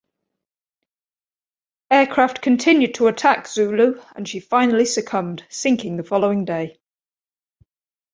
Aircraft continued to attack "Zulu" and she finally succumbed, sinking the following day.